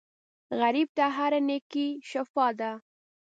غریب ته هره نېکۍ شفاء ده